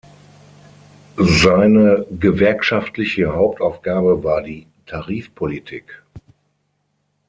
Seine gewerkschaftliche Hauptaufgabe war die Tarifpolitik.